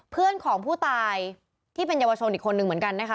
เพื่อนของผู้ตายที่เป็นเยาวชนอีกคนนึงเหมือนกันนะคะ